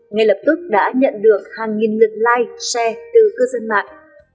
ngay lập tức đã nhận được hàng nghìn lượt like share từ cư dân mạng